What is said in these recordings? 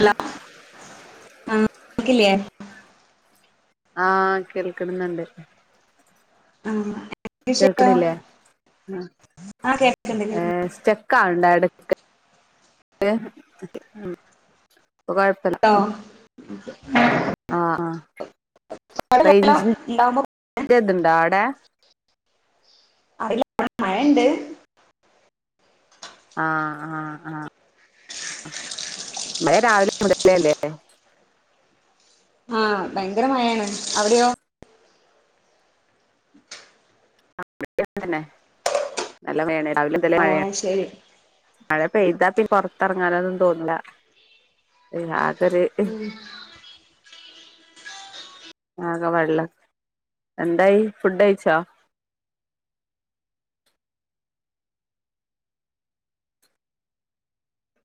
Hello ആ ക്കില്ലേ ആ കേൾക്കുന്നുണ്ട് ആ കേൾക്കണില്ലേ ആഹ് കേൾക്ക്ണ്ട് ആ കേൾക്ക്ണ്ട് സ്‌റ്റക്കാണണ്ട എ [unintelligible] ഏ കുഴപ്പല്ല ട്ടോ ആ ആ അവിടെ വെള്ളം റെഞ്ച്ന് ഇണ്ടാവുമ്പോ ഇദ്ണ്ടാടെ നല്ല മഴണ്ട് ആ ആഹ് ആ മഴ രാവിലെ മുടലേല്ലേ ആ ഭയങ്കര മഴാണ് അവിടെയോ [unintelligible] തന്നെ നല്ല മയണ് രാവില [unintelligible] ഓ മഴയാണ് അത് ശരി മഴ അപ്പ ഇതാപ്പ പൊറത്തിറങ്ങാനൊന്നും തോന്നില്ല ഒര് ആകെ വെള്ളം എന്തായി ഫുഡ് ഐച്ചോ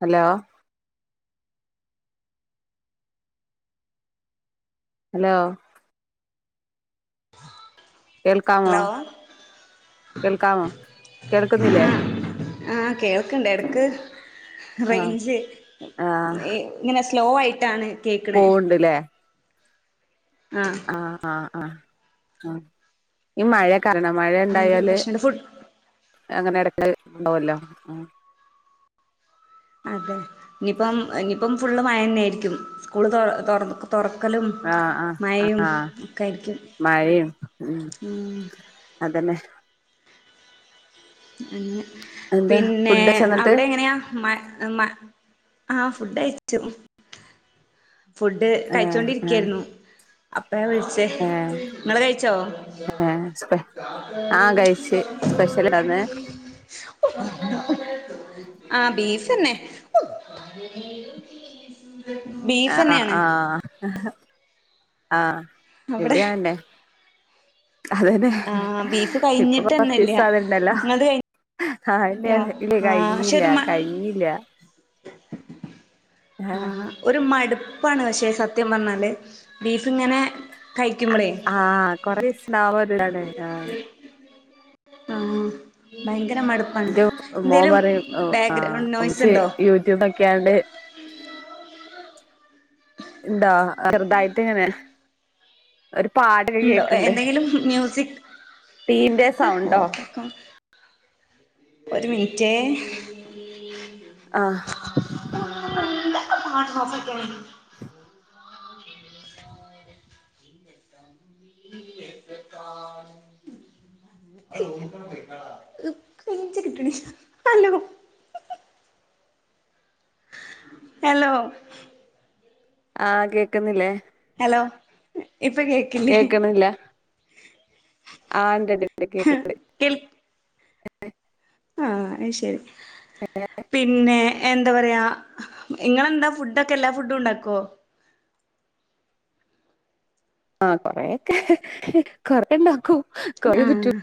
ഹലോ ഹലോ കേൾക്കാമോ ഹലോ കേൾക്കാമോ കേൾക്കുന്നില്ലേ ആ കേൾക്കണ്ട എട്ക്ക് ആഹ് റെഞ്ച്ങ്ങനെ സ്ലോ ആയിട്ടാണ് കേക്ക്ണേ പോവണ്ട്ല്ലേ ആഹ് ആഹ് ആഹ് ആ ഈ മഴ കാരണം മഴ അതിന്റെ ഒരു ഉണ്ടായാല് പ്രശ്നണ്ട് ഫുഡ് അങ്ങനെ ഇടക്ക് ഉണ്ടുമല്ലോ ആ അതെ ഇനിയിപ്പം ഇനിയിപ്പം ഫുള്ള് മയ ന്നെ ആയിരിക്കും സ്കൂള് തൊ തോറ ആഹ് ആഹ് ആഹ് ഒക്കെ ആയിരിക്കും മയും ഉ ഉം അതന്നെ [unintelligible] എന്താ പിന്നെ ഫുഡ് കഴിച്ചോ എന്നിട്ട് അവിടെ എങ്ങനെയാ മ ആഹ ഫുഡ്യച്ചു ഫുഡ് ഏഹ് ഏഹ് കഴിച്ചോണ്ടിരിക്കായിരുന്നു അപ്പ വിളിച്ചേ ഏഹ് നിങ്ങെ കഴിച്ചോ ഏഹ് സ്പെ ആഹ് കഴിച്ച് സ്പെഷ്യൽ ഇണ്ടാന്ന് ആഹ ബീഫ് തന്നെ ബീഫ് ആഹ തന്നെയാണ് ആഹ ആഹ അവിടെ അതന്നെ ആഹ് ബീഫ് ഇപ്പൊ കൊറച്ച് കഴിഞ്ഞിട്ടന്നല്ല ദസ അധണ്ടല്ലോ നിങ്ങളത് കഴിഞ്ഞോ ആഹന്നെ ഇല്ല ആഹ് പക്ഷെ കഴിഞ്ഞല്ല ഒരു മ കഴിഞ്ഞല്ല ആഹ ഒരു മടുപ്പ ഉപ്പാണ് പക്ഷെ സത്യം പറഞ്ഞാല് ബീഫ ഇങ്ങനെ കഴിക്കുമ്പളേ ആഹ കൊറ ദസ ലാാവല്ലാണേ ആ ആഹ ഭയ എ മോൻ പറയും ബാക്ക്ഗ്രൗണ്ട് നോയ്സ് ആ്ച്ച ഉണ്ടോ യൂട്യൂബ്ൊക്കെ ആണ്ട് എന്താ വെറുതായിട്ട എങ്ങനെ ഉണ്ടോ എന്തെങ്കിലും മ്യൂസിക് തീന്റെ സൗണ്ടോ ഒരു മിനിറ്റ് ആഹ് ആ നോക്കക്ക കച കിട്ടണ അല്ല ഹലോ ആഹ് കേക്കുന്നില്ലേ ഹലോ ഇപ്പൊ കേക്കില്ലേ ആ രണ്ട്പടെ കേക്കത് അതെ ആഹ അ ശരി പിന്നെ എന്താ പറയാ ഇങ്ങനെന്താ ഫുഡൊക്കെ എല്ലാ ഫുഡും ഉണ്ടാക്കുവോ ആഹ കൊറെൊക്കെ കൊറെ ഉണ്ടാക്കൂ ആഹ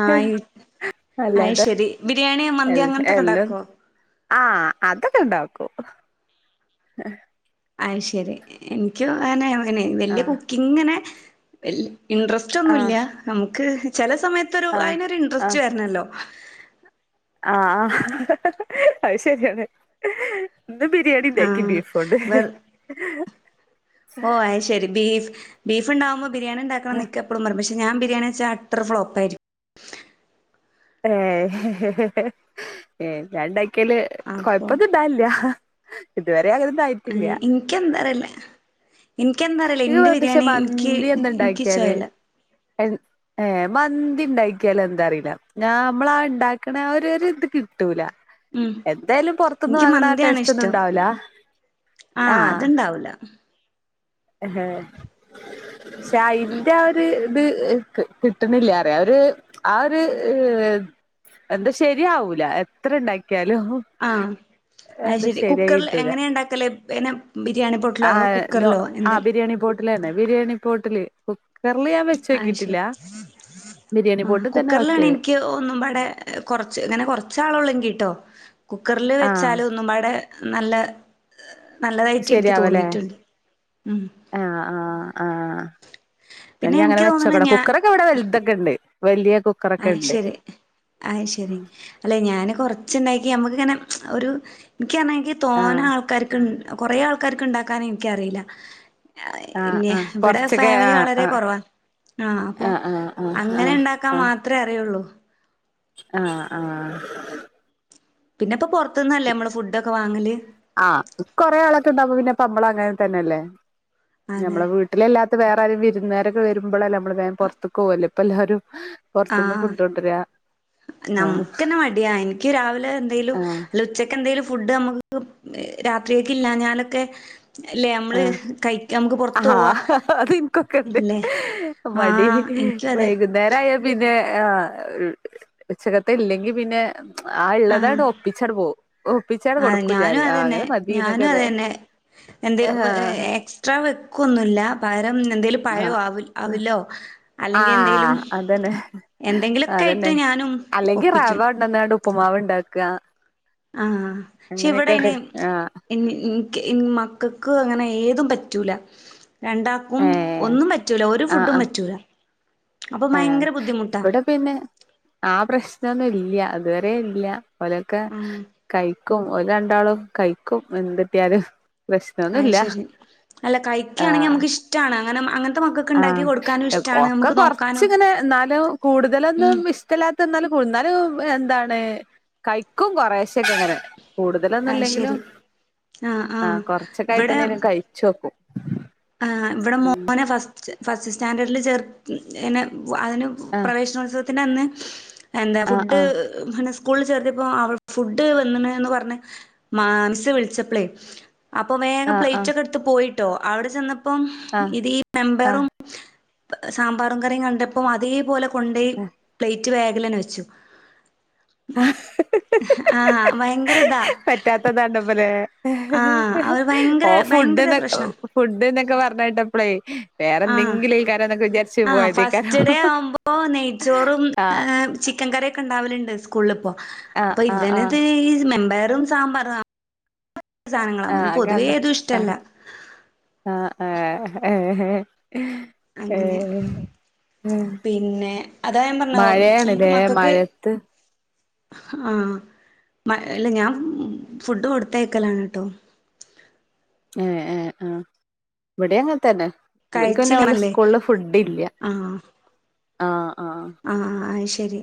ആ ആ അല്ലാതെ ശരി ബിരിയാണിയോ മന്തിോ എൽ അങ്ങനത്തൊക്കെ എല്ലം ഉണ്ടാക്കോ ആഹ് അതൊക്കെ ഇണ്ടാക്കും അ ശരി എനക്ക് അന അങ്ങനെ വലിയ ആഹ് കുക്കിംഗങ്ങനെ ഇല്ല ഇൻട്രസ്റ്റ് ആഹ് ഒന്നുമല്ല നമുക്ക് ചല സമയത്ത് ഒരു ആഹ് അയി നൊരു ഇൻട്രസ്റ്റ് വരണല്ലോ ആഹ അഹ് ശരിയാണ് ഇന്ന് ബിരിയാണി ഉണ്ടാക്കി ആഹ് ബീഫുണ്ട് വെർ ഓ ശരി ബീഫ് ബീഫുണ്ടാബോ ബിരിണിണ്ടണം നിക്കപ്പോ പ ഞാൻ ബിരിയാണി വെച്ച എത്ര ഫ്ലോപ്പ ആയിരിക്കും ഏ ഞാൻണ്ടാ ഒക്കല് കൊഴപ്പന്ന ഇണ്ടാല്ല. ഇത് എനിക്ക എന്താ അറിയില്ല എനിക്ക എന്താ അറിയില്ല ഇത് എന്റെ പക്ഷെ ബിരിയാണി എനിക്ക് മന്തി എനിക്ക് എന്തുണ്ടാക്കിയാല് [unintelligible] ഇല്ല. ഏ മന്തി ഇണ്ടായിക്കാലന്താ അറിയില്ല. ഞാ നമ്മളാ ഇണ്ടാക്കണ ആ ഒരു ഇത് കിട്ടൂല. ഉം എന്തായാലും പൊറത്ത്ന്ന് ഇൻക്ക് വാങ്ങണ മന്തിയാണ് ടേസ്റ്റ് ഒന്നും ഇഷ്ടം ഇണ്ടാവല. ആഹ്. ആഹ. ഷ ഇന്റെ ഒര് അത് എനക്ക് കിട്ടുന്നില്ല അറിയര് ആ ഒരു എന്താ ശരിയാവൂല എത്ര ഇണ്ടാ ആഹ് അത് ശരി ശരിയായി കുക്കറിൽ കിട്ടൂല എങ്ങനെയ ഇണ്ടാക്കല് പിന്നെ ബിരിയാണി പൊട്ടലോ അതോ കുക്കറിലോ? ആഹ് എന്തിൽ ബിരിയാണി പോട്ടില് തന്നെ. ബിരിയാണി പോട്ട് [unintelligible] ആ ശരി ബിരിയാണി ആ പോട്ടിൽ തന്നെ കുക്കറിലാണ് വെക്ക് എനിക്ക് ഒന്നും അവിടെ കൊറച്ച് ഇങ്ങനെ കൊറച്ചാളൊള്ളങ്കിട്ടോ കുക്കറില് ആഹ് വെച്ചാൽ ഒന്നും അവിടെ നല്ല നല്ലതായിട്ട് എനിക്ക് ശരിയാവല്ലേ തോന്നിയിട്ടുണ്ട് ഉം ആഹ് ആഹ് ആഹ്. പിന്നെ ഇ അങ്ങനെ എനിക്ക് തോന്നണ് വെച്ചോക്കണം കുക്കറൊക്കെ എവിടെ വലുതൊക്കെ ഉണ്ട്. വലിയ കുക്കറൊക്കെ ആഹ ഉണ്ട് ശരി ആഹ ശരി അല്ലെ ഞാന് കൊറച്ചുണ്ടാക്കി ഞമക്ക് ഇങ്ങനെ ഒരു എക്കാണെങ്കി ആഹ് തോന്ന ആൾക്കാർക്ക ഇണ്ട കൊറെേ ആൾക്കാർക്ക് ഇണ്ടാക്കാന് എനിക്കറിയില്ല. ആഹ് ഇന്ന ആഹ് ഇവിടെ കൊറച്ചൊക്കെ ഫാമിലി ആഹ് വളരെ കൊറവാണ്. ആ അപ്പൊ ആഹ് ആഹ് ആഹ് അങ്ങനെ ആഹ് ഉണ്ടാക്കാ ആഹ് മാത്ര അറിയുള്ളൂ. ആഹ് ആഹ്. പിന്നെ ഇപ്പൊ പൊറ പൊറത്തുന്നല്ലേ നമ്മള് ഫുഡ്‌ ഒക്കെ വാങ്ങല്. ആഹ് കൊറെ ആളൊക്കെ ഇണ്ടാവ്പോ പിന്നെ പമ്പള അങ്ങനെ തന്നെയല്ലേ? അതെ നമ്മളെ വീട്ടിലെല്ലാ ഇ വേറാരും വിരുന്നുകാരൊക്കെ വരുമ്പളല്ലേ മ്മള് വേ പുറത്തക്ക് പോവല്ലേ പലഹാരോം പൊർത്തുന്നു ഫുഡ്‌കൊണ്ടുവരിക നമുക്ക്ന്നെ മടിയാ എനിക്ക് രാവിലെ എന്തെങ്കലും ആഹ് ഉച്ചക്ക് എന്ത എ ഫുഡ് നമുക്ക് രാത്രിയക്ക് ഇല്ലാ ഞാലോകെ ആഹ പോവാ ആ അത്ഇൻ ക്കൊക്കെണ്ട് ഇല്ലേ മടി ആഹ് എനിക്കും അതെ വൈകുന്നേരയാ പിന്നെ ആ ഉച്ചകത്തെ ഇല്ലെങ്കിൽ പിന്നെ ആ ഉള്ളതായിട്ട് ഒപ്പിച്ചടെ പോവും ഒപ്പിച്ചാണ്ട് ആ കൊടുക്കും ഞാനും ഞാന് ആ അത് തന്നെ അങ്ങനെ മതി ഞാനും എന്നൊക്കെതെ അത് തന്നെ എന്ത് ആഹ് എക്സ്ട്രാ വെക്കൊന്നുമില്ല പാരം പഴോ ആ ആവില്ലോ ആഹ അതന്നെ എന്തെങ്കിലൊക്കെ ആയിട്ട് അതന്നെ ഞാനും അല്ലെങ്കി ഒപ്പിച്ചും റവാ ഉണ്ടന്നണ്ട് ഉപ്പുമാവ ഉണ്ട് ക്ക ആഹ പക്ഷെ ഇവിടെ ഇനെ മക്കൾക്ക് അങ്ങനെ ഏതും പറ്റൂല രണ്ടാക്കും ഏഹ് ഒന്നും പറ്റൂല ഒരു ഫുഡും പറ്റൂല അപ്പൊ ആഹ ഭയങ്കര ബുദ്ധിമുട്ടാ ഇവിടെ പിന്നെ ആ പ്രശ്നൊന്നും ഇല്ല ഇല്ല അതുവരെ ഇല്ല പോലെയൊക്കെ ആഹ് കൈ ഒരാണ്ടാളും കഴിക്കും എന്തിട്ടിയാലും അ് ശരി അല്ല കഴിക്കുകയാണെങ്കിൽ ആഹ് നമുക്ക് ഇഷ്ടമാണ് അങ്ങനെ അങ്ങനത്തെ മക്കൊക്കെ ഉണ്ടാക്കി കൊടുക്കാനും ഇഷ്ടമാണ് നക്ക് നോക്ക പക്ഷെ ഇങ്ങനെ എന്നാലും കൂടുതലൊന്നും ഇഷ്ടമല്ലാത്ത എന്നാലും ക എന്നാലും എന്താണ് കൈക്കും കൊറേ ഉച്ചക്കങ്ങര കൂടുതലൊന്നും അത് ഇല്ലെങ്കിലും ശരി ആഹ് ആ കൊറച്ചൊക്കെ ആയിട്ട് തന്നെ ഇനും കഴിചോക്കും ആ ഇവിടെ മോനെ ഫസ്റ്റ് ഫസ്റ്റ്സ് സ്റ്റാൻഡേർഡിൽ ചേർക്ക് ഇങ്ങനെ അതിന് ആഹ് പ്രവേശനോത്സവത്തി അന്ന് എന്താ ആഹ് ഫുഡ് ആഹ് സ്കൂളിൽ ചേർത്തിയപ്പോ അവൾ ഫുഡ് വന്ന്കണ് പറഞ് മാ മിസ്സ് വിളിച്ചപ്പൾ അപ്പൊ വേഗം ആഹ് പ്ലേറ്റ് ഒക്കെ എടുത്ത് പോയി കേട്ടോ അവിടു [unintelligible] ചെന്ന അപ്പം ആഹ് ഇത് ഈ ആഹ് മെമ്പറും ആഹ് സാമ്പാറും കറിയും കണ്ടപ്പോ അതേപോലെ കൊണ്ടേ പ്ലേറ്റ് മറ്റ് വ വെച്ചു ആഹ് ഭയങ്കര ഇതാ പറ്റാത്തത് കണ്ടപ്പല്ലേ ആഹ് അവര് ഭയങ്കര ഓ ഫുഡ് ഭയങ്കര ന് പ്രശ്നാ ഫുഡ്ന് ഒക്കെ പറഞ്ഞ് കേട്ടപ്പോൾ ആ ആ പോയതേക്കാരം ഫസ്റ്റ് ഡേ ആവുമ്പോ നെയ്ച്ചോറും ആഹ് ചിക്കൻ കറിയൊക്കെ ഉണ്ടാവലുണ്ട് കൊളുപ്പം ആഹ് അപ്പൊ ആഹ് ഇവനത് ആഹ് ഈ മെമ്പർ വറും സാമ്പാർ ആ അക്കണ്ടാ ആ ഇഷ്ടല്ല ആ ആ ആഹ ആഹ് അങ്ങനെ ഏഹ് പിന്നെ അതാൻ പറഞ്ഞോ നമുക്ക് മഴയാണ്ലേ മക്കൾക്ക് മഴത്ത് ആ മ അല്ല ഞാൻ ഫുഡ് കൊടുത്തയക്കലാണ് ട്ടോ ഏ ഏ ആ ഇവിടെ അങ്ങനെ തന്നെ ഇവൽക്ക് പിന്നെ കഴിച്ചില്ല ഇവലെ അല്ലേ സ്കൂളിൽ ഫുഡ് ഇല്ല ആ ആഹ അഹ ശരി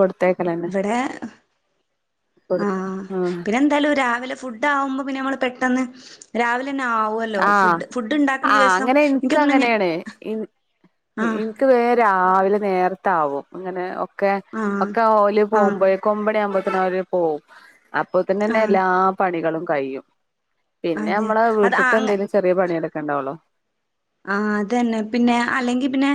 കൊടുത്തേക്കലന്നെ ഇവിടെ ആ കൊടു ആഹ് പിന്നെ എന്തായാലും രാവിലെ ഫുഡ് ആവുമ്പോ പിന്നെ നമ്മള് പെട്ടെന്ന് രാവിലെ ആ ആ ദിവസം അങ്ങനെ എനിക്ക് തോന്നുന്നു അങ്ങനെയാണ് എനി ആഹ് എനിക്ക് വേം രാവിലെ നേർത്താവും അങ്ങനെ ഒ ഒക്കെ ആഹ് ഒക്കെ ഓല് ആഹ് പോകുമ്പോയേക്കും ഒമ്പമണിആവുമ്പോയേക്കും പനരെ പോവും അപ്പൊ തന്നെ തന്നെ ആഹ് എല്ലാ പണികളും കയും പിന്നെ അതെ നമ്മളീ അത് അടുത്തെന്താലും ചെറിയ പണിയക്കെ ഒക്കണ്ടാവളോ ആ അത തന്നെ പിന്നെ അല്ലെങ്കി പിന്നെ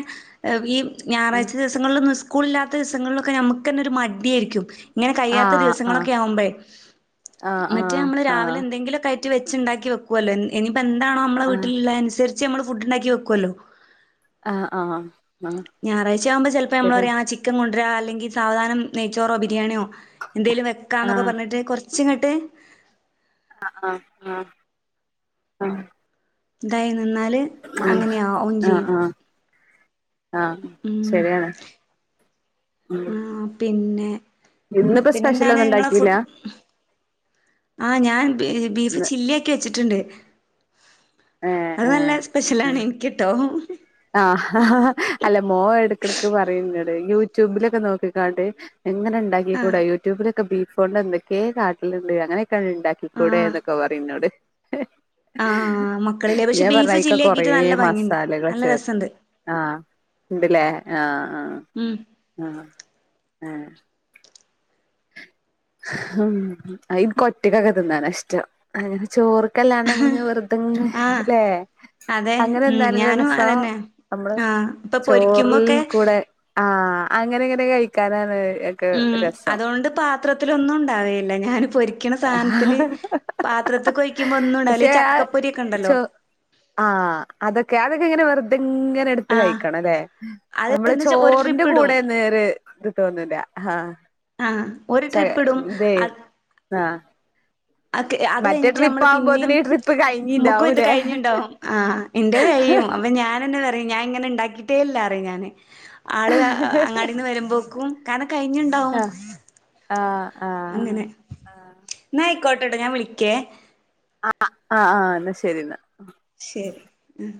ഈ ഞായറാഴ് ദസങ്ങളിൽന്ന് സ്കൂള ഇല്ലാത്ത സങ്ങളിലൊക്കെ നമക്ക് തന്നെ ഒരു മടിയായിരിക്കും ഇങ്ങനെ കഴിയാത്ത ആഹ് ആഹ് ദിവസങ്ങളൊക്കെ ആകുമ്പേ ആഹ് മറ്റേ ആഹ് നമ്മള് രാവിലെ ആഹ് എന്തെങ്കിലുമൊക്കെ ച് വെുണ്ടാക്കി വെക്കുവല്ലോനി അപ്പ എന്താണ നമ്മള വീട്ടിലുള്ള അനുസരിച്ച് ച് നമ്മള് ഫുഡ് ഉണ്ടാക്കി വക്കല്ലോ ആഹ് ഞായറാഴ്ച ആവുമ്പോ ചിലപ്പോ നമ്മള ആ ചിക്കൻ കൊ ഡ്ര അല്ലെങ്കിൽസാ വധാന നെയച്ചോറോ ബിരിയാണിയോ എന്തേങ്കലും വെക്കാന്നൊക്കെ ആഹ് പറഞ്ഞിട്ട് കുറച്ച് ച്ചിങ്ങട്ടെ ആഹ ആഹ് ആഹ ആഹ ദൈ നിന്നാൽ അങ്ങനെയ ഓൺ ചെയ്യും ആഹ ഉം ശരിയാണ് ഉം ആ പിന്നെ ആ ഇന്നിപ്പോ പിന്നെന്താണ് സ്പെഷ്യലൊന്നും നിങ്ങളെ ഫ് ഉണ്ടാക്കിയില്ല ആഹ ഞാൻ ബീഫ് ഇന്ന് ചില്ലിക്കി വെച്ചിട്ടുണ്ട് അത് ഏഹ് നല്ല സ്പെഷ്യലാണ് എനക്ക്ട്ടോ ആഹ അല്ല മോ എടക്ക എടക്ക് പറയുന്നണ്ട് യൂട്യൂബിലൊക്കെ നോക്കിക്കാണ്ട് എങ്ങനെ ഉണ്ടാക്കി ആ കൂട യൂട്യൂബിലൊക്കെ ബീഫ് കേ കാട്ടിലുണ്ട് അങ്ങനെ പക്ക ഉണ്ടാക്കിക്കൂടെ എന്നൊക്കെ പറയുംന്നോട് ആ ആഹ മക്കളിലേ പക്ഷെ ബീഫ് ചില്ലി ആക്കിയിട്ട് നല്ല ഭംഗിയുണ്ട് നല്ല ര ആഹ ഉണ്ടല്ലേ ആഹ ഉം ആ ആ ആ ഉ അയികൊറ്റക്കക്കെ തിന്നാന ഇഷ്ടം അയ്ന് ചോറ് ല്ലാണ്ട് നമ്മള്ഇങനെ ആഹ് വെറുതെല്ലേ അതെ അങ്ങനെ ഉം എന്താണല്ല ഞാനും രസം അതന്നെ നമ്മള് ആഹ് ഇപ്പൊ ചോറിൽ പൊരിക്കുമ്പോക്കെ കൂടെ ആ അങ്ങനെ എങ്ങനെ കഴിക്കാനാണ് ഒക്കെ ഉം രസം അതുകൊണ്ട് പാത്ര ത്തിലൊന്നും ഉണ്ടാവല്ല ഒഴിക്കുമ്പോ ഒന്നും ഉണ്ടാവില്ല പക്ഷെ ഈ ആ ചക്കപ്പൊരിയൊക്കെ ഉണ്ടല്ലോ ആ അതൊക്കെ അതൊക്കെ ഇങ്ങനെ വെറുതെ ഇങ്ങനെ എടുത്ത് ആഹ് കഴിക്കണം അല്ലേ അത് നമ്മള് എന്താ വെച്ചാ ഒരു ചോറിന്റെ ട്രിപ്പ് ഇടും കൂടെ നേര് ഇത് തോന്നില്ല ആ ആ ഒരു ട്രിപ്പ് ഇടും അ ആ അ അത് കഴിഞ്ഞിട്ട് നമ്മള് പിന്നെയും ഈ ട്രിപ്പ് മമ്മുക്കും ഇത് കഴിഞ്ഞിണ്ടാവൂലേ കഴിഞ്ഞുണ്ടാവും ആ് എന്റെ കഴിയും അപ്പൊ ഞാനന്നെ പറയും ഞാൻ ഇങ്ങനെ ഉണ്ടാക്കിട്ടേല്ലാറ ഞാൻ ആള് അങ്ങാടിന്ന് വരുമ്പോക്കും കാരണം കഴിഞ്ഞുണ്ടാവും ആഹ് ആഹ് ആഹ് അങ്ങനെ ആഹ് ന ആയി കോട്ടട്ട ഞാൻ വിളിക്കേ ആ ആ ആ എന്നാ ശരി ഇന്നാ ശരി ഉം